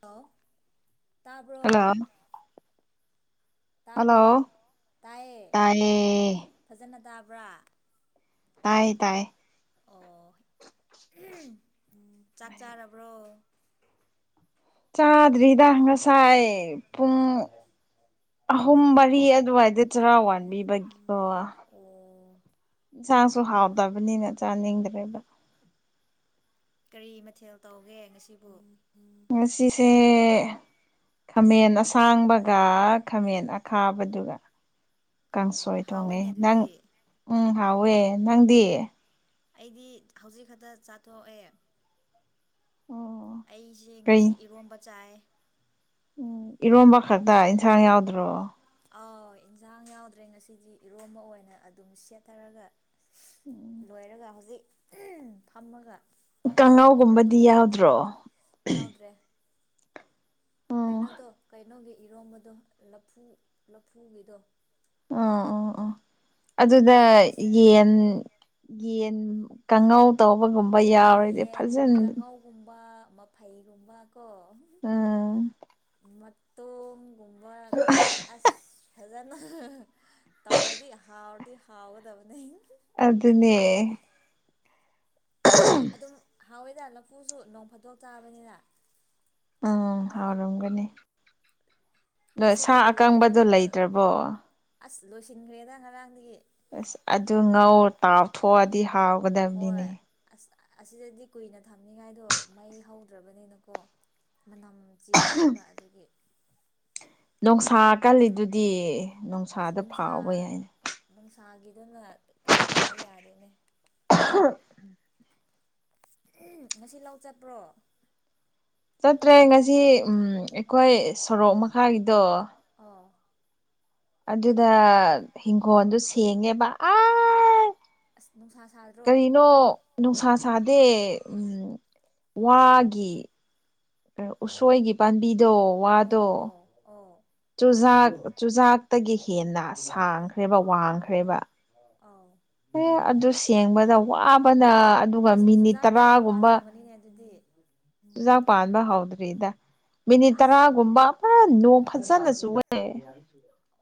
ꯍꯂ ꯇꯥꯔꯕ ꯍꯜꯂꯣ ꯇꯥꯕ꯭ꯔꯣ ꯍꯜꯂꯣ ꯇꯥꯏꯌꯦ ꯇꯥꯏꯌꯦ ꯐꯖꯅ ꯇꯥꯕ꯭ꯔꯥ ꯇꯥꯏ ꯇꯥꯏ ꯑꯣ ꯆꯥꯛ ꯆꯥꯔꯕ꯭ꯔꯣ ꯆꯥꯗ꯭ꯔꯤꯗ ꯉꯁꯥꯏ ꯄꯨꯡ ꯑꯍꯨꯝꯕꯔꯤ ꯑꯗꯨꯋꯥꯏꯗꯤ ꯆꯔꯥ ꯋꯥꯅꯤꯕꯤꯕꯒꯤ ꯑꯣ ꯍꯛꯆꯥꯡꯁꯨ ꯍꯥꯎꯗꯕꯅꯤꯅ ꯆꯥꯅꯤꯡꯗ꯭ꯔꯦꯕ ꯀꯔꯤ ꯃꯊꯦꯜ ꯇꯧꯒꯦ ꯉꯁꯤꯕꯨ ꯉꯁꯤꯁꯦ ꯈꯥꯃꯦꯟ ꯑꯁꯥꯡꯕꯒ ꯈꯥꯃꯦꯟ ꯑꯈꯥꯕꯗꯨꯒ ꯑꯣ ꯀꯥꯡꯁꯣꯏ ꯊꯣꯡꯉꯦ ꯍꯥꯎꯋꯦꯅꯦ ꯅꯪ ꯑꯗꯨꯗꯤ ꯎꯝ ꯍꯥꯎꯋꯦ ꯅꯪꯗꯤ ꯑꯩꯗꯤ ꯍꯧꯖꯤꯛ ꯈꯛꯇ ꯆꯥꯊꯣꯛꯑꯦ ꯑꯣ ꯑꯩꯁꯦ ꯀꯩ ꯉꯁꯤ ꯏꯔꯣꯝꯕ ꯆꯥꯏ ꯎꯝ ꯏꯔꯣꯝꯕ ꯈꯛꯇ ꯏꯟꯁꯥꯡ ꯌꯥꯎꯗ꯭ꯔꯣ ꯑꯥꯎ ꯏꯟꯁꯥꯡ ꯌꯥꯎꯗ꯭ꯔꯦ ꯉꯁꯤꯗꯤ ꯏꯔꯣꯝꯕ ꯑꯣꯏꯅ ꯑꯗꯨꯝ ꯁꯦꯠꯊꯔꯒ ꯂꯣꯏꯔꯒ ꯍꯧꯖꯤꯛ ꯐꯝꯃꯒ ꯀꯥꯡꯉꯥꯎꯒꯨꯝꯕꯗꯤ ꯇꯧꯔꯛꯄꯅꯦ ꯌꯥꯎꯗ꯭ꯔꯣ ꯌꯥꯎꯗ꯭ꯔꯦ ꯎꯝ ꯀꯩꯅꯣꯗꯣ ꯀꯩꯅꯣꯒꯤ ꯏꯔꯣꯝꯕꯗꯣ ꯂꯐꯨ ꯂꯐꯨꯒꯤꯗꯣ ꯑ ꯑꯣ ꯑꯣ ꯑꯗꯨꯗ ꯑꯁ ꯌꯦꯟ ꯌꯦꯟ ꯀꯥꯡꯉꯧ ꯇꯧꯕꯒꯨꯝ ꯌꯦꯟ ꯀꯥꯡꯉꯧꯒꯨꯝꯕ ꯃꯐꯩꯒꯨꯝꯕ ꯀꯣ ꯎꯝ ꯃꯇꯣꯝꯒꯨꯝꯕ ꯑꯁ ꯐꯖꯅ ꯇꯧꯔꯗꯤ ꯍꯥꯎꯔꯗꯤ ꯍꯥꯎꯒꯗꯕꯅꯤ ꯑꯗꯨ ꯑꯗꯨꯅꯦ ꯑꯗꯨꯝ ꯍꯥꯎꯋꯦꯗ ꯂꯐꯨꯁꯨ ꯅꯣꯡ ꯐꯥꯠꯇꯣꯛ ꯆꯥꯕꯅꯤꯅ ꯎꯝ ꯍꯥꯎꯔꯝꯒꯅꯤ ꯅ ꯁꯥ ꯉꯁꯤꯗꯤ ꯀꯔꯤ ꯀꯔꯤ ꯑꯀꯪꯕꯗꯨꯣ ꯊꯕꯛ ꯂꯩꯇ꯭ꯔꯕꯣ ꯑꯁ ꯂꯣꯏꯁꯤꯟꯈ꯭ꯔꯦꯗ ꯉꯔꯥꯡꯗꯒꯤ ꯑꯁ ꯑꯗꯨ ꯉꯧ ꯇꯥꯎꯊꯣꯛꯑꯗꯤ ꯍꯥꯎꯒꯗꯕꯅꯤꯅꯦ ꯍꯣꯏ ꯑꯁ ꯑꯁꯤꯗꯗꯤ ꯀꯨꯏꯅ ꯊꯝꯅꯤꯉꯥꯏꯗꯣ ꯃꯩ ꯍꯧꯗ꯭ꯔꯕꯅꯤꯅꯀꯣ ꯃꯅꯝ ꯆꯦꯜꯂꯅꯦꯕ ꯑꯗꯨꯒꯤ ꯅꯨꯡꯁꯥ ꯀꯜꯂꯤꯗꯨꯗꯤ ꯅꯨꯡꯁꯥꯗ ꯐꯥꯎꯕ ꯌꯥꯏꯅꯦ ꯁꯥꯒꯤꯗꯨꯅ ꯀꯩꯅꯣ ꯇꯧꯕ ꯌꯥꯗꯦꯅꯦ [inaudible] ꯎꯝ ꯉꯁꯤ ꯂꯥꯛ ꯆꯠꯄ꯭ꯔꯣ ꯆꯠꯇ꯭ꯔꯦ ꯉꯁꯤ ꯑꯩꯈꯣꯏ ꯑꯣ ꯁꯣꯔꯣꯛ ꯃꯈꯥꯒꯤꯗꯣ ꯑꯣ ꯑꯗꯨꯗ ꯏꯤꯡꯈꯣꯜꯗꯨ ꯁꯦꯡꯉꯦꯕ ꯑ ꯑꯁ ꯅꯨꯡꯁꯥ ꯁꯥꯗ꯭ꯔꯣ ꯀꯔꯤꯅꯣ ꯅꯨꯡꯁꯥ ꯁꯥꯗꯦ ꯎꯝ ꯋꯥꯒꯤ ꯎꯁꯣꯏꯒꯤ ꯄꯥꯝꯕꯤ ꯗꯣ ꯋꯥꯗꯣ ꯑꯣ ꯑꯣ ꯑꯣ ꯆꯨꯖꯥꯛ ꯆꯨꯖꯥꯛꯇꯒꯤ ꯍꯦꯟꯅ ꯁꯥꯡꯈ꯭ꯔꯦꯕ ꯋꯥꯡꯈ꯭ꯔꯦꯕ ꯑꯧ ꯑꯦ ꯑꯗꯨ ꯁꯦꯡꯕꯗ ꯋꯥꯕꯅ ꯑꯗꯨꯒ ꯑꯁ ꯃꯤꯅꯤꯠ ꯆꯨꯖꯥꯛꯇꯤ ꯌꯥꯝ ꯇꯔꯥꯒꯨꯝꯕ ꯄꯥꯜꯂꯝꯒꯅꯤꯅꯦ ꯑꯗꯨꯗꯤ ꯆꯨꯖꯥꯛ ꯄꯥꯟꯕ ꯍꯧꯗ꯭ꯔꯤꯗ ꯃꯤꯅꯤꯠ ꯑꯁ ꯇꯔꯥꯒꯨꯝꯕ ꯄꯨꯔ ꯅꯣꯡ ꯐꯖꯅ ꯁꯃꯦ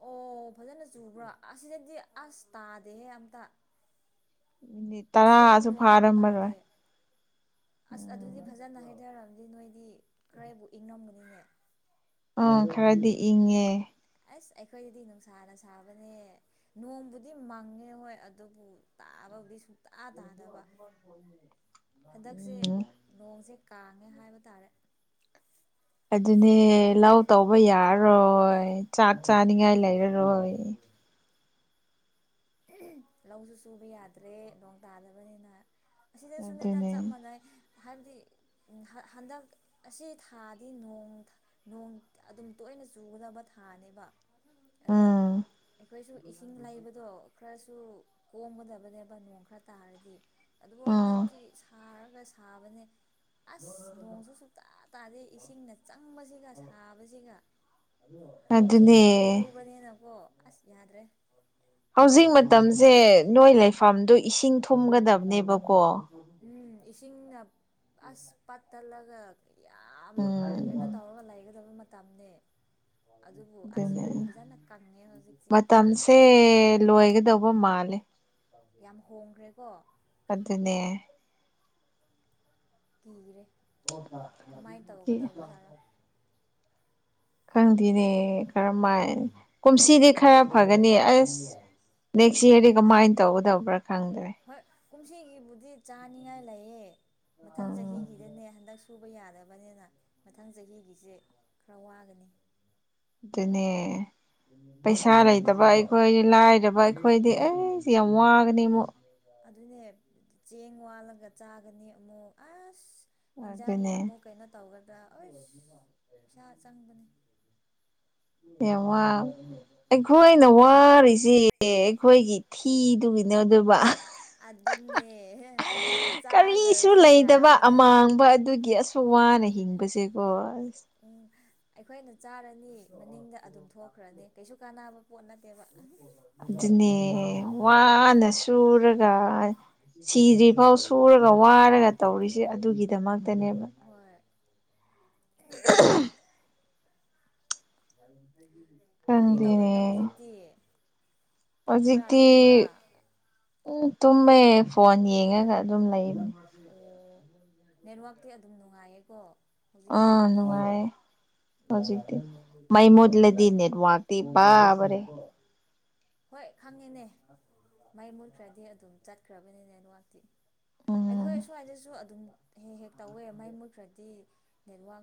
ꯑꯣ ꯐꯖꯅ ꯆꯨꯕ꯭ꯔꯣ ꯑꯁꯤꯗꯗꯤ ꯑꯁ ꯇꯥꯗꯦꯍꯦ ꯑꯝꯇ ꯃꯤꯅꯤꯠ ꯑꯁꯤꯗꯗꯤ ꯇꯔꯥꯁꯨ ꯅꯣꯡ ꯐꯥꯔꯃꯔꯣꯏ ꯇꯥꯗꯦ ꯑꯁ ꯑꯗꯨꯗꯤ ꯐꯖꯅ ꯍꯥꯏꯊꯔꯑꯕꯗꯤ ꯅꯣꯏꯗꯤ ꯈꯔꯕꯨ ꯏꯪꯉꯝꯒꯅꯤꯅꯦ ꯑ ꯈꯔꯗꯤ ꯏꯪꯉꯦ ꯑꯁ ꯑꯩꯈꯣꯏꯗꯗꯤ ꯅꯨꯡꯁꯥꯅ ꯁꯥꯕꯅꯦ ꯅꯣꯡꯕꯨꯗꯤ ꯃꯪꯉꯦ ꯍꯣꯏ ꯑꯗꯨꯕꯨ ꯇꯥ ꯕꯕꯨꯗꯤ ꯁꯨꯡ ꯍꯟꯗꯛꯁꯦ ꯎꯝ ꯅꯣꯡꯁꯦ ꯀꯥꯡꯉꯦ ꯍꯥꯢꯕ ꯇꯥꯔꯦ ꯑꯗꯨꯅꯦ ꯌꯥꯗꯦ ꯂꯧ ꯇꯧꯕ ꯌꯥꯔꯔꯣꯏ ꯆꯥꯛ ꯑꯗꯨꯅꯦ ꯆꯥꯅꯤꯡꯉꯥꯏ ꯂꯩꯔꯔꯣꯏ ꯂꯧꯁꯨ ꯁꯨꯕ ꯌꯥꯗ꯭ꯔꯦ ꯅꯣꯡ ꯇꯥꯗꯕꯅꯤꯅ ꯑꯁꯤꯗꯁꯨꯅꯦꯗ ꯑꯗꯨꯅꯦ ꯆꯞ ꯃꯥꯟꯅꯩ ꯍꯥꯏꯕꯗꯤ ꯍꯟꯗꯛ ꯑꯁꯤ ꯊꯥꯗꯤ ꯅꯣꯡ ꯅꯣꯡ ꯑꯗꯨꯝ ꯇꯣꯢ ꯅ ꯆꯨꯒꯗꯕ ꯊꯥꯅꯦꯕ ꯑꯗꯨꯒ ꯎꯝ ꯑꯩꯈꯣꯏꯁꯨ ꯏꯁꯤꯡ ꯂꯩꯕꯗꯣ ꯈꯔꯁꯨ ꯀꯣꯝꯒꯗꯕꯅꯦꯕ ꯅꯣꯡ ꯈꯔ ꯇꯥꯔꯗꯤ ꯑꯗꯨꯕꯨ ꯎꯝ ꯍꯟꯗꯛꯇꯤ ꯁꯥꯔ ꯁꯥꯕꯅꯦ ꯑꯁ ꯅꯣꯡꯁꯨ ꯁꯨꯛꯇꯥ ꯇꯥꯗꯦ ꯏꯁꯤꯡꯅ ꯆꯪꯕꯁꯤꯒ ꯁꯥꯕꯁꯤꯒ ꯅꯨꯡꯇꯤꯒꯤ ꯑꯗꯨꯅꯦ ꯏꯔꯨꯕꯅꯤꯅꯀꯣ ꯑꯁ ꯌꯥꯗ꯭ꯔꯦ ꯍꯧꯖꯤꯛ ꯃꯇꯝꯁꯦ ꯅꯣꯏ ꯂꯩꯐꯝꯗꯨ ꯏꯁꯤꯡ ꯊꯨꯝꯒꯗꯕꯅꯦꯕꯀꯣ ꯎꯝ ꯏꯁꯤꯡꯅ ꯑꯁ ꯄꯠ ꯇꯠꯂꯒ ꯌꯥꯝ ꯀꯩꯅꯣ ꯎꯝ ꯇꯧꯔꯒ ꯂꯩꯒꯗꯕ ꯃꯇꯝꯅꯦ ꯑꯗꯨꯕꯨ ꯑꯁ ꯑꯗꯨꯅꯦ ꯐꯖꯅ ꯀꯪꯉꯦ ꯍꯧꯖꯤꯛꯇꯤ ꯃꯇꯝꯁꯦ ꯂꯣꯏꯒꯗꯧꯕ ꯃꯥꯜ ꯂꯦ ꯌꯥꯝ ꯍꯣꯡꯒ꯭ꯔꯦꯀꯣ ꯑꯗꯨꯅꯦ ꯀꯤꯔꯦ ꯀꯃꯥꯏꯅ ꯇꯧꯒꯗꯕ ꯖꯥꯠꯔꯥ [inaudible] ꯈꯪꯗꯦꯅꯦ ꯀꯔꯝꯃꯥꯏ ꯀꯨꯝꯁꯤꯗꯤ ꯈꯔ ꯐꯒꯅꯤ ꯑꯁ ꯅꯦꯛꯁ ꯌꯥꯔꯗꯤ ꯀꯃꯥꯏꯟ ꯇꯧꯒꯗꯕ꯭ꯔꯥ ꯈꯪ ꯍꯣꯏ ꯀꯨꯝꯁꯤꯒꯤꯕꯨꯗꯤ ꯆꯥꯅꯤꯉꯥꯏ ꯂꯩꯌꯦ ꯃꯊꯪ ꯎꯝ ꯆꯍꯤꯒꯤꯗꯅꯦ ꯍꯟꯗꯛ ꯁꯨ ꯁꯨꯕ ꯌꯥꯗꯕꯅꯤꯅ ꯃꯊꯪ ꯆꯍꯤꯒꯤꯁꯦ ꯈꯔ ꯋꯥꯒꯅꯤ ꯑꯗꯨꯅꯦ ꯄꯩꯁꯥ ꯂꯩꯇꯕ ꯑꯩꯈꯣꯏ ꯂꯥꯏꯔꯕ ꯑꯩꯈꯣꯏꯗꯤ ꯑꯩꯁ ꯌꯥꯝ ꯋꯥꯒꯅꯤꯕꯨ ꯑꯗꯨꯅꯦ ꯆꯦꯡ ꯋꯥꯜꯂꯒ ꯆꯥꯒꯅꯤ ꯑꯃꯨꯛ ꯑꯁ ꯍꯤꯟꯖꯥꯡꯒꯤ ꯑꯗꯨꯅꯦ ꯑꯃꯨꯛ ꯀꯩꯅꯣ ꯇꯧꯒ ꯄꯩꯁꯥ ꯆꯪꯕꯅꯦ ꯌꯥꯝ ꯋꯥ ꯑꯩꯈꯣꯏꯅ ꯋꯥꯔꯤꯁꯦ ꯑꯩꯈꯣꯏꯒꯤ ꯊꯤꯗꯨꯒꯤ [unintelligible] ꯑꯗꯨꯅꯦ ꯀꯔꯤꯁꯨ ꯆꯥꯗ꯭ꯔꯁꯨ ꯂꯩꯇꯕ ꯌꯥꯕꯅꯦ ꯑꯃꯥꯡꯕ ꯑꯗꯨꯒꯤ ꯋꯥꯅ ꯍꯤꯡꯕꯁꯦꯀꯣ ꯎꯝ ꯑꯩꯈꯣꯏꯅ ꯆꯥꯔꯅꯤ ꯃꯅꯤꯡꯗ ꯑꯗꯨꯝ ꯊꯣꯛꯈ꯭ꯔꯅꯤ ꯀꯩꯁꯨ ꯀꯥꯟꯅꯕ ꯄꯣꯠ ꯅꯠꯇꯦꯕ ꯑꯗꯨꯅꯦ ꯋꯥꯅ ꯁꯨꯔꯒ ꯁꯤꯗ꯭ꯔꯤꯐꯥꯎ ꯁꯨꯔꯒ ꯋꯥꯔꯒ ꯇꯧꯔꯤꯁꯦ ꯑꯗꯨꯒꯤꯗꯃꯛꯇꯅꯦꯕ ꯍꯣꯏ [inaudible] ꯀꯔꯤ ꯇꯧꯔꯤꯅꯣ ꯍꯧꯖꯤꯛꯇꯤ ꯐꯝꯕ꯭ꯔꯥ ꯍꯧꯖꯤꯛꯗꯤ ꯇꯨꯝꯕ꯭ꯔꯥ ꯇꯨꯝꯃꯦ ꯐꯣꯟ ꯌꯦꯡꯉꯒ ꯑꯗꯨꯝ ꯂꯩꯕꯅꯤ ꯑꯣ ꯅꯦꯠꯋꯥꯛꯇꯤ ꯑꯗꯨꯝ ꯅꯨꯡꯉꯥꯏꯌꯦꯀꯣ ꯍꯧꯖꯤꯛ ꯑ ꯐꯥꯎꯒꯤꯗꯤ ꯅꯨꯡꯉꯥꯢꯌꯦ ꯑꯣ ꯍꯧꯖꯤꯛꯇꯤ ꯃꯩ ꯃꯨꯗꯂꯗꯤ ꯅꯦꯠꯋꯥꯛꯇꯤ ꯕꯥꯄꯔꯦ ꯍꯣꯏ ꯈꯪꯉꯦꯅꯦ ꯃꯩ ꯃꯨꯠꯈ꯭ꯔꯗꯤ ꯑꯗꯨꯝ ꯆꯠꯈ꯭ꯔꯕꯅꯤ ꯅꯦꯠꯋꯥꯛꯇꯤ ꯑꯩꯈꯣꯏ ꯎꯝ ꯑꯁ꯭ꯋꯥꯏꯗꯁꯨ ꯑꯗꯨꯝ ꯍꯦꯛ ꯍꯦꯛ ꯇꯧꯋꯦ ꯃꯩ ꯃꯨꯠꯈ꯭ꯔꯗꯤ ꯅꯦꯠꯋꯥꯛ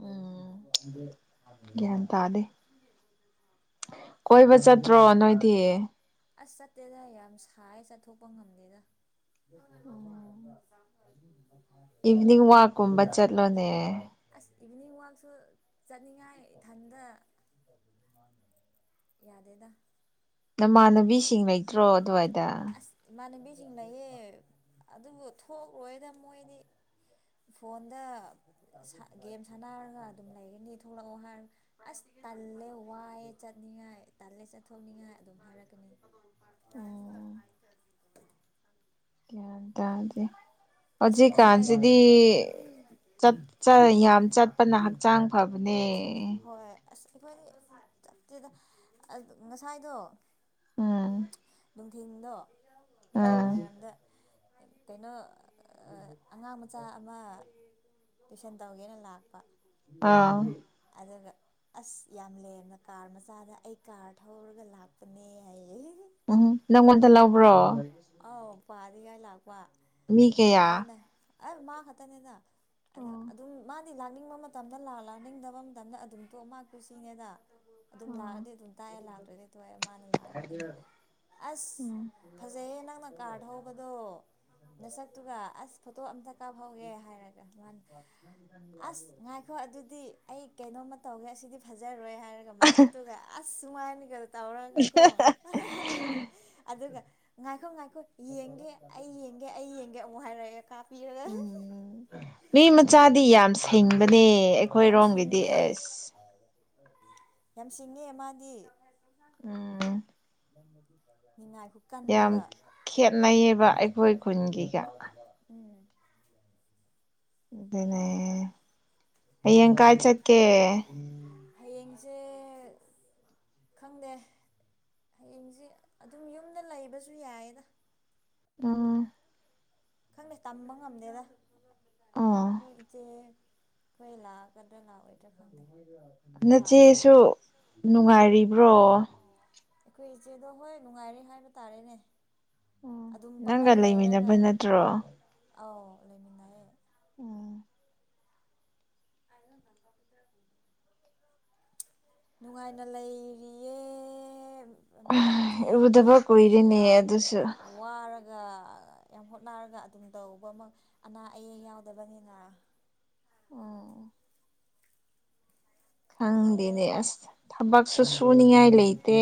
[inaudible] ꯎꯝ ꯒ꯭ꯌꯥꯟ ꯇꯥꯗꯦ ꯀ‌ꯣꯏꯕ ꯆꯠꯇ꯭ꯔꯣ ꯅꯣꯏꯗꯤ ꯑꯁ ꯆꯠꯇꯦꯗ ꯌꯥꯝ ꯁꯥꯏ ꯆꯠꯊꯣꯛꯄ ꯉꯝꯗꯦꯗ ꯏꯚꯅꯤꯡ ꯋꯥꯛꯀꯨꯝꯕ ꯆꯠꯂꯣꯅꯦ ꯑꯁ ꯏꯚꯤꯅꯤꯡ ꯋꯥꯛꯁꯨ ꯆꯠꯅꯤꯡꯉꯥꯏ ꯏꯊꯟꯗ ꯌꯥꯗꯦꯗ ꯅꯃꯥꯟꯅꯕꯤꯁꯤꯡ ꯂꯩꯇ꯭ꯔꯣ ꯑꯗꯨꯋꯥꯏꯗ ꯑꯁ ꯏꯃꯟꯅꯥꯕꯤ [inaudible] ꯑꯗꯨꯕꯨ ꯊꯣꯛꯂꯣꯏꯗ ꯃꯣꯏꯗꯤ ꯐꯣꯟꯗ ꯒꯦꯝ ꯁꯥꯟꯅꯔꯒ ꯑꯗꯨꯝ ꯂꯩꯒꯅꯤ ꯊꯣꯛꯂꯛꯑꯣ ꯍꯥꯏꯔꯒ ꯑꯁ ꯇꯜꯂꯦ ꯋꯥꯏꯑꯦ ꯆꯠꯅꯤꯡꯉꯥꯏ ꯇꯜꯂꯦ ꯆꯠꯊꯣꯛꯅꯤꯡꯉꯥꯏ ꯑꯗꯨꯝ ꯍꯥꯏꯔꯛꯀꯅꯤ ꯒ꯭ꯌꯥꯟ ꯇꯥꯗ‌ꯦ ꯑꯁ ꯉꯁꯥꯏ ꯍꯧꯖꯤꯀꯥꯟꯁꯤꯗꯤ ꯆꯞ ꯆꯥ ꯌꯥꯝ ꯆꯠꯄꯅ ꯍꯛꯆꯥꯡ ꯐꯕꯅꯦ ꯍꯣꯏ ꯑꯁ ꯑꯩꯈꯣꯏꯗꯤ ꯆꯠꯇ‌ꯦꯗ ꯉꯁꯥꯏꯗꯣ ꯎꯝ ꯅꯨꯡꯊꯤꯟꯗꯣ ꯅꯨꯡꯊꯤꯟ ꯎꯝ ꯋꯥꯏꯔꯝꯗ ꯀꯩꯅꯣ ꯑꯉꯥꯡ ꯃꯆꯥ ꯑꯃ ꯇꯨꯏꯁꯟ ꯇꯧꯒꯦꯅ ꯂꯥꯛꯄ ꯑꯥ ꯑꯗꯨꯒ ꯑꯁ ꯌꯥꯝ ꯂꯦꯝꯅ ꯀꯥꯔ ꯃꯆꯥꯗ ꯑꯩ ꯀꯥꯔ ꯊꯧꯔꯒ ꯂꯥꯛꯄꯅꯦ ꯍꯥꯏꯌꯦ ꯎꯝ ꯅꯪꯉꯣꯟꯗ ꯂꯧꯕ꯭ꯔꯣ ꯄꯥꯔꯤꯒꯥꯏ ꯂꯥꯛꯄ ꯃꯤ ꯀꯌꯥ ꯑꯩ ꯃꯥ ꯈꯛꯇꯅꯤꯗ ꯑ ꯑꯣ ꯑꯗꯨꯝ ꯃꯥ ꯍꯥꯏꯗꯤ ꯂꯥꯛꯅꯤꯡꯕ ꯃꯇꯝꯗ ꯂꯥꯛ ꯂꯥꯛꯅꯤꯡꯗꯕ ꯃꯇꯝꯗ ꯑꯗꯨꯝ ꯇ‌ꯣꯛ ꯃꯥ ꯀꯨꯁꯤꯅꯤꯗ ꯑꯗꯨꯝ ꯑꯣ ꯂꯥꯛꯑꯗꯤ ꯑꯗꯨꯝ ꯇꯥꯛꯑꯦ ꯂꯥꯛꯇ꯭ꯔꯗꯤ ꯇ‌ꯣꯛꯑꯦ ꯃꯥꯅ ꯂꯥꯛꯑꯒ ꯑꯩꯩꯅ ꯎꯝ ꯐꯖꯩ ꯅꯪꯅ ꯀꯥꯔ ꯊꯧꯕꯗꯣ ꯅꯁꯛꯇꯨꯒ ꯑꯁ ꯐꯣꯇꯣ ꯑ ꯀꯥꯐꯍꯧꯒꯦ ꯍꯥꯏꯔꯒ ꯃꯥꯟ ꯑꯁ ꯉꯥꯏꯈꯣ ꯑꯗꯨꯗꯤ ꯑꯩ ꯀꯩꯅꯣꯝꯃ ꯇꯧꯒꯦ ꯑꯁꯤꯗꯤ ꯐꯖꯔꯣꯏ ꯍꯥꯏꯔꯒ ꯃꯈꯨꯠꯇꯨꯒ ꯑꯁ ꯁꯨꯉꯥꯏꯅꯤꯒ ꯇꯧꯔꯒꯀꯣ ꯑꯗꯨꯒ ꯉꯥꯏꯈꯣ ꯉꯥꯏ ꯑꯃꯨꯛ ꯍꯥꯏꯔꯛꯑꯦ ꯀꯥꯞꯄꯤꯔꯒ ꯎꯝ ꯃꯤꯃ ꯃꯥꯥꯗꯤ ꯌꯥꯝ ꯁꯤꯡꯕꯅꯦ ꯌꯥꯝ ꯑꯩꯈꯣꯏꯔꯣꯝꯒꯤꯗꯤ ꯁꯤꯡꯉꯦ ꯑꯁ ꯌꯥꯝ ꯁꯤꯡꯉꯦ ꯃꯥꯗꯤ ꯎꯝ ꯅꯤꯉꯥꯏ ꯌꯥꯝ ꯈꯨꯀꯟꯗꯨꯒ ꯈꯦꯠꯅꯩꯌꯦꯕ ꯑꯩꯈꯣꯏ ꯈꯨꯟꯒꯤꯒ ꯎꯝ ꯑꯗꯨꯅꯦ ꯍꯌꯦꯡ ꯀꯥꯏ ꯆꯠꯀꯦ ꯍꯌ‌ꯦꯡꯁꯦ ꯈꯪꯗꯦ ꯍꯌꯦꯡꯁꯦ ꯑꯗꯨꯝ ꯌꯨꯝꯗ ꯂꯩꯕꯁꯨ ꯌꯥꯏꯌꯦꯗ ꯑꯝ ꯈꯪꯗꯦ ꯇꯝꯕ ꯉꯝꯗꯦꯗ ꯑꯣ ꯑꯩꯈꯣꯏ ꯏꯆꯦ ꯈ‌ꯣꯏ ꯂꯥꯛꯑꯒꯗ꯭ꯔꯥ ꯂꯥꯛꯑꯣꯏꯗ꯭ꯔꯥ ꯈꯪꯗꯦ ꯂꯥꯛꯑꯗꯤ ꯅꯆꯦꯁꯨ ꯅꯨꯡꯉꯥꯏꯔꯤꯕ꯭ꯔꯣ ꯑꯩꯈꯣꯏ ꯏꯆꯦꯗꯣ ꯍꯣꯏ ꯅꯨꯡꯉꯥꯏꯔꯦ ꯍꯥꯏꯕ ꯇꯥꯔꯦꯅꯦ ꯑꯣ ꯑꯗꯨꯝ ꯅꯪꯒ ꯂꯩꯃꯤꯟꯅꯕ ꯅꯠꯇ꯭ꯔꯣ ꯑꯥꯎ ꯂꯩꯃꯤꯟꯅꯌ‌ꯦ ꯎꯡ [unintelligible] ꯅꯨꯡꯉꯥꯏꯅ ꯂꯩꯔꯤꯌꯦ ꯍꯥꯏꯕꯗꯤ ꯃꯤ ꯎꯗꯕ ꯀꯨꯏꯔꯦꯅꯦ ꯌꯥꯝ ꯑꯗꯨꯁꯨ ꯋꯥꯔꯒ ꯌꯥꯝ ꯍꯣꯠꯅꯔꯒ ꯑꯗꯨꯝ ꯇꯧꯕ ꯑꯃ ꯑꯅꯥ ꯑꯌꯦꯛ ꯌꯥꯎꯗꯕꯅꯤꯅ ꯑꯥ ꯎꯝ ꯈꯪꯗꯦꯅꯦ ꯑꯁ ꯊꯕꯛꯁꯨ ꯁꯨꯅꯤꯡꯉꯥꯏ ꯂꯩꯇꯦ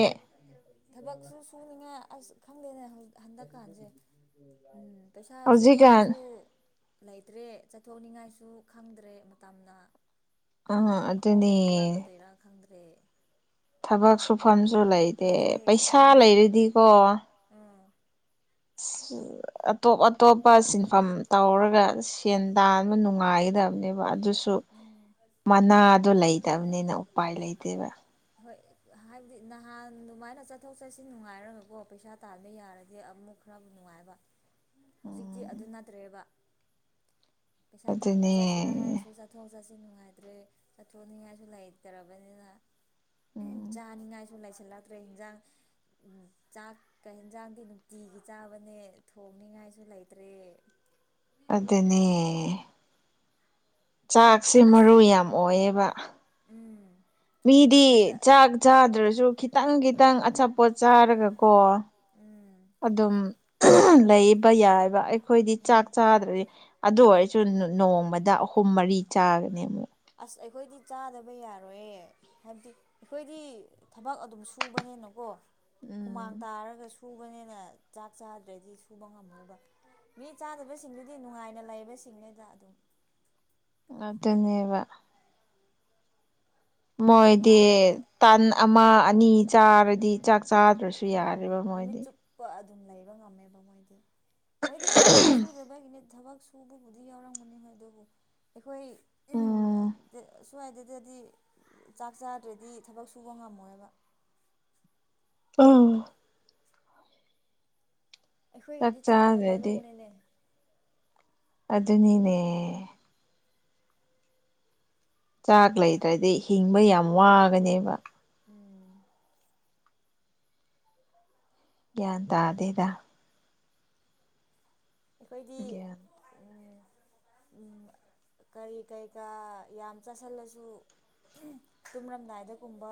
ꯊꯕꯛꯁꯨ ꯁꯨꯅꯤꯉꯥꯏ ꯑꯁ ꯈꯪꯗꯦꯅꯦ ꯍꯧꯖꯤꯛ ꯄꯩꯁꯥ ꯍꯧꯖꯤ ꯀ ꯁꯨꯐꯝꯁꯨ ꯂꯩꯇ꯭ꯔꯦ ꯆꯠꯊꯣꯛꯅꯤꯡꯉꯥꯏꯁꯨ ꯈꯪꯗ꯭ꯔꯦ ꯃꯇꯝꯅ ꯀꯔꯤ ꯑꯥ ꯑꯗꯨꯅꯦ ꯑꯍꯣꯡꯕ ꯄꯨꯔꯛꯀꯗꯣꯏꯔꯥ ꯈꯪꯗ꯭ꯔꯦ ꯊꯕꯛ ꯁꯨꯐꯝꯁꯨ ꯂꯩꯇꯦ ꯍꯧꯖꯤꯛ ꯄꯩꯁꯥ ꯍꯣꯏ ꯂꯩꯔꯗꯤꯀꯣ ꯎꯝ ꯑꯇꯣꯞ ꯑꯇꯣꯞꯄ ꯁꯤꯟꯐꯝ ꯇꯧꯔꯒ ꯁꯦꯟ ꯇꯥꯟꯕ ꯅꯨꯡꯉꯥꯏ ꯪꯕꯅꯦꯕ ꯑꯗꯨꯁꯨ ꯎꯝ ꯃꯅꯥꯗꯣ ꯂꯩꯇꯕꯅꯤꯅ ꯎꯄꯥꯏ ꯂꯩꯇꯦꯕ ꯍꯣꯏ ꯍꯥꯏꯕꯗꯤ ꯅꯍꯥꯟ ꯑꯗꯨꯃꯥꯏꯅ ꯆꯠꯊꯣꯛ ꯆꯠꯁꯤ ꯅꯨꯡꯉꯥꯏꯔꯃꯦꯀꯣ ꯄꯩꯁꯥ ꯇꯥꯟꯕꯕ ꯌꯥꯔꯗꯤ ꯑꯃꯨꯛ ꯈꯔꯕꯨ ꯥꯏ ꯅꯨꯡꯉꯥꯏꯕ ꯍꯧꯖꯤꯛꯇꯤ ꯑꯗꯨ ꯎꯝ ꯅꯠꯇ꯭ꯔꯦꯕ ꯄꯩꯁꯥ ꯇꯥꯟꯕ ꯑꯗꯨꯅꯦ ꯆꯠꯁꯤꯦꯔꯥ ꯍꯥꯏꯔꯁꯨ ꯆꯠꯊꯣꯛ ꯆꯠꯁꯤ ꯅꯨꯡꯉꯥꯏꯇ꯭ꯔꯦ ꯆꯠꯊꯣꯛꯅꯤꯉꯥꯏꯁꯨ ꯂꯩꯇꯔꯕꯅꯤꯅ ꯎꯝ ꯆꯥꯅꯤꯡꯉꯥꯏꯁꯨ ꯂꯩꯥꯏꯁꯤꯜꯂꯛꯇ꯭ꯔꯦ ꯏꯟꯖꯥꯡ ꯆꯥꯛ ꯀ ꯍꯟꯖꯥꯡꯗꯤ ꯅꯨꯡꯇꯤꯒꯤ ꯆꯥꯕꯅꯦ ꯊꯣꯡꯅꯤꯉꯥꯏꯁꯨ ꯂꯩꯇ꯭ꯔꯦ ꯑꯗꯨꯗꯅꯦ ꯆꯥꯛꯁꯦ ꯑꯁ ꯃꯔꯨ ꯌꯥꯝ ꯑꯣꯏꯌꯦꯕ ꯎꯝ ꯃꯤꯗꯤ ꯕꯖꯥꯔ ꯆꯥꯛ ꯆꯥꯗ꯭ꯔꯁꯨ ꯈꯤ ꯈꯤꯇꯪ ꯈꯤꯇꯪ ꯑꯆꯥꯄꯣꯠ ꯆꯥꯔꯒꯀꯣ ꯎꯝ ꯑꯗꯨꯝ ꯂꯩꯕ ꯌꯥꯏꯕ ꯑꯩꯈꯣꯏꯗꯤ ꯆꯥꯛ ꯎꯝ ꯆꯥꯗ꯭ꯔꯗꯤ ꯑꯗꯨ ꯑꯣꯏꯔ ꯁꯨꯝ ꯅꯣꯡꯃꯗ ꯑꯍꯨꯝ ꯃꯔꯤ ꯆꯥꯒꯅꯦ ꯑꯃꯨꯛ ꯑꯁ ꯑꯩꯈꯣꯏꯗꯤ ꯆꯥꯗꯕ ꯌꯥꯔꯣꯏꯌꯦ ꯍꯥꯏꯕꯗꯤ ꯑꯩꯈꯣꯏꯗꯤ ꯊꯕꯛ ꯑꯗꯨꯝ ꯁꯨꯕꯅꯤꯅꯀꯣ ꯍꯨꯃꯥꯡ ꯎꯝ ꯇꯥꯔꯒ ꯁꯨꯕꯅꯦꯅ ꯆꯥꯛ ꯆꯥꯗ꯭ꯔꯗꯤ ꯁꯨꯕ ꯉꯝꯃꯕ ꯃꯤ ꯆꯥꯗꯕꯁꯤꯡꯗꯨꯗꯤ ꯅꯨꯡꯉꯥꯏꯅ ꯂꯩꯕꯁꯤꯡꯅꯦꯗ ꯑꯗꯨꯝ ꯑꯗꯨ ꯑꯗꯨꯅꯦꯕ ꯃꯣꯏꯗꯤ ꯅꯨꯡꯉꯥꯏꯅ ꯇꯥꯟ ꯑꯃ ꯑꯅꯤ ꯆꯥꯔꯗꯤ ꯆ ꯆꯥꯗ꯭ꯔꯁꯨ ꯎꯝ ꯌꯥꯔꯦꯔꯤꯕ ꯅꯨꯃꯤꯠ ꯃꯣꯏꯗꯤ ꯆꯨꯞꯄ ꯑꯗꯨꯝ ꯂꯩꯕ ꯉꯝꯃꯦꯕ ꯃꯣꯏꯗꯤ ꯃꯣꯏꯗꯤ ꯊꯕꯛꯁꯨ ꯁꯨꯗꯕꯒꯤꯅꯤ ꯊꯕꯛ ꯁꯨꯕꯕꯨꯗꯤ ꯌꯥꯎꯔꯝꯒꯅꯤ ꯑꯗꯨꯕꯨ ꯑꯩꯈꯣꯏ ꯎꯝ ꯁ꯭ꯋꯥꯏꯗꯗꯗꯤ ꯆꯥꯛ ꯆꯥꯗ꯭ꯔꯗꯤ ꯊꯕꯛ ꯁꯨꯕ ꯉꯝꯃꯣꯏꯕ ꯑ ꯆꯥꯛ ꯑꯩꯈꯣꯏꯒꯤꯗꯤ ꯆꯥꯛꯅ ꯆꯥꯗ꯭ꯔꯗꯤ ꯃꯔꯨꯅꯦꯅꯦ ꯑꯗꯨꯅꯤꯅꯦ ꯆꯥꯛ ꯂꯩꯇ꯭ꯔꯗꯤ ꯍꯤꯡꯕ ꯌꯥꯝ ꯋꯥꯒꯅꯦꯕ ꯎꯝ ꯌꯥꯟ ꯇꯗꯦꯗ ꯑꯩꯈꯣꯏꯗꯤ ꯒ꯭ꯌꯥꯟ ꯀꯔꯤ ꯀꯩꯀꯥ ꯌꯥꯝ ꯆꯥꯁꯤꯜꯂꯁꯨ ꯇꯨꯝꯔꯝꯗꯥꯏꯗꯒꯨꯝꯕ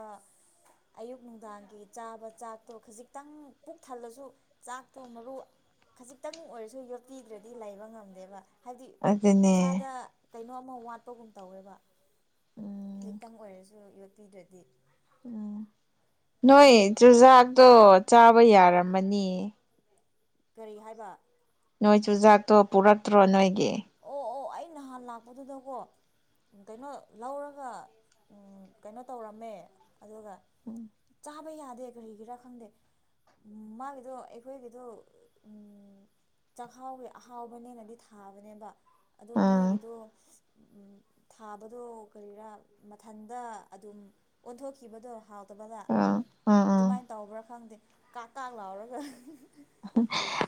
ꯑꯌꯨꯛ ꯅꯨꯡꯗꯥꯡꯒꯤ ꯆꯥꯕ ꯆꯥꯛꯇꯣ ꯈꯖꯤꯛꯇꯪ ꯄꯨꯛ ꯊꯜꯂꯁꯨ ꯆꯥꯛꯇꯣ ꯃꯔꯨ ꯈꯖꯤꯛꯇꯪ ꯑꯣꯏꯔꯁꯨ ꯌꯣꯠꯄꯤꯗ꯭ꯔꯗꯤ ꯂꯩꯕ ꯉꯝꯗꯦꯕ ꯍꯥꯏꯕꯗꯤ ꯑꯗꯨꯅꯦ ꯏꯁꯥꯗ ꯀꯩꯅꯣꯝ ꯋꯥꯠꯄꯒꯨꯝ ꯇꯧꯋꯦꯕ ꯎꯝ ꯈꯖꯤꯛꯇꯪ ꯑꯣꯏꯔꯁꯨ ꯌꯣꯠꯄꯤꯗ꯭ꯔꯗꯤ ꯎꯝ ꯅꯣꯏ ꯆꯨꯖꯥꯛꯇꯣ ꯆꯥꯕ ꯌꯥꯔꯝꯃꯅꯤ ꯀꯔꯤ ꯍꯥꯏꯕ ꯅꯣꯏ ꯆꯨꯖꯥꯛꯇꯣ ꯄꯨꯔꯛꯇ꯭ꯔꯣ ꯅꯣꯏꯒꯤ ꯑꯣ ꯑꯣ ꯑꯩ ꯅꯍꯥꯟ ꯂꯥꯛꯄꯗꯨꯗꯀꯣ ꯀꯩꯅꯣ ꯂꯧꯔꯒ ꯀꯩꯅꯣ ꯇꯧꯔꯝꯃꯦ ꯑꯗꯨꯒ ꯎꯝ ꯊꯥꯕ ꯌꯥꯗꯦ ꯀꯔꯤꯒꯤꯔꯥ ꯈꯪꯗꯦ ꯃꯥꯒꯤꯗꯣ ꯑꯩꯈꯣꯏꯒꯤꯗꯣ ꯆꯥꯛꯈꯥꯎꯒꯤ ꯑꯍꯥꯎꯕꯅꯦꯅꯗꯤ ꯊꯥꯕꯅꯦꯕ ꯑꯗꯣ ꯑꯥ ꯃꯣꯏꯒꯤꯗꯣ ꯊꯥꯕꯗꯣ ꯀꯔꯤꯔꯥ ꯃꯊꯟꯗ ꯑꯗꯨꯝ ꯑꯣꯟꯊꯣꯛꯈꯤꯕꯗꯣꯥꯎ ꯑꯠꯇꯕꯗ ꯑꯥ ꯑꯥ ꯑꯥ ꯑꯗꯨꯃꯥꯏꯅ ꯇꯧꯕ꯭ꯔꯥ ꯈꯪꯗꯦ ꯀꯥꯛ ꯀꯥꯛ ꯂꯥꯎꯔꯒ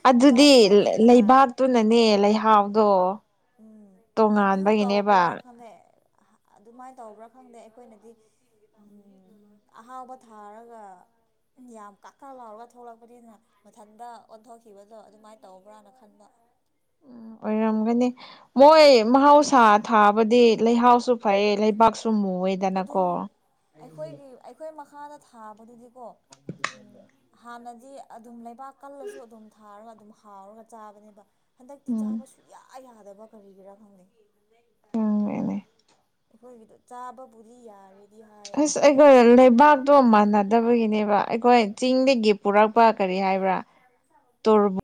ꯑꯗꯨꯗꯤ ꯆꯥꯕ ꯌꯥꯗꯦ ꯅꯍꯥꯟ ꯂꯩꯕꯥꯛꯇꯨꯅꯅꯦ ꯂꯩꯍꯥꯎꯗꯣ ꯎꯝ ꯑꯗꯨ ꯇꯣꯉꯥꯟꯕꯒꯤꯅꯦꯕ ꯇꯧꯕ꯭ꯔꯥ ꯈꯅꯦꯛ ꯑꯗꯨꯃꯥꯏꯅ ꯇꯧꯕ꯭ꯔꯥ ꯈꯪꯗꯦ ꯑꯩꯈꯣꯏꯅꯗꯤ ꯑꯍꯥꯎꯕ ꯊꯥꯔꯒ ꯌꯥꯝ ꯀꯥꯀꯥ ꯂꯥꯎꯔꯒ ꯊꯣꯛꯂꯛꯄꯅꯤꯅ ꯃꯊꯟꯇ ꯑꯣꯟꯊꯣꯛꯈꯤꯕꯗꯣ ꯑꯗꯨꯃꯥꯏꯅ ꯇꯧꯕ꯭ꯔꯅ ꯈꯟꯕ ꯑꯣꯏꯔꯝꯒꯅꯤ ꯃꯣꯏ ꯃꯍꯧꯁꯥ ꯊꯥꯕꯗꯤ ꯂꯩꯍꯥꯎꯁꯨ ꯐꯩꯌꯦ ꯂꯩꯕꯥꯛꯁꯨ ꯑꯗꯨꯝ ꯃꯨꯑꯦꯗꯅꯀꯣ ꯑꯩꯈꯣꯏꯒꯤ ꯑꯩꯈꯣꯏ ꯃꯈꯥꯗ ꯊꯥꯕꯗꯨꯗꯤꯀꯣ ꯎꯝ ꯍꯥꯟꯅꯗꯤ ꯑꯗꯨꯝ ꯂꯩꯕꯥꯛ ꯀꯜꯂꯁꯨ ꯑꯗꯨꯝ ꯊꯥꯔꯒ ꯑꯗꯨꯝ ꯍꯥꯎꯔꯒ ꯆꯥꯕꯅꯦꯕ ꯍꯟꯗꯛꯇꯤ ꯎꯝ ꯆꯥꯕ ꯁꯨꯡꯌꯥ ꯌꯥꯗꯕ ꯀꯔꯤꯒꯤꯔꯥ ꯈꯪꯅꯩ ꯎꯝꯅꯦ ꯑꯩꯈꯣꯏꯒꯤꯗ ꯆꯥꯕꯕꯨꯗꯤ ꯌꯥꯔꯦꯗꯤ ꯍꯥꯏ ꯑꯁ ꯑꯩꯈꯣꯏ ꯅꯍꯥꯟ ꯂꯩꯕꯥꯛꯇꯣ ꯃꯥꯟꯅꯗꯕꯒꯤꯅꯦꯕ ꯑꯩꯈꯣꯏ ꯆꯤꯡꯗꯒꯤ ꯄꯨꯔꯛꯄ ꯀꯔꯤ ꯀꯥꯏꯕ꯭ꯔ ꯇꯣꯔꯕꯨ